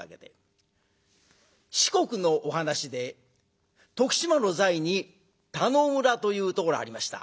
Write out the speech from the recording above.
四国のお噺で徳島の在に田能村というところがありました。